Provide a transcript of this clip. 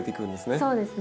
そうですね。